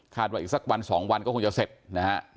ว่าอีกสักวัน๒วันก็คงจะเสร็จนะฮะ